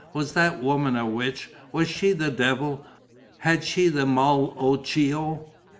Was that woman a witch? Was she the devil? Had she the mal'occhio?